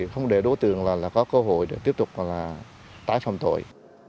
không để đối tượng có cơ hội tiếp tục tái phòng tội